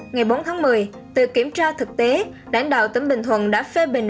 ngày bốn tháng một mươi từ kiểm tra thực tế lãnh đạo tỉnh bình thuận đã phê bình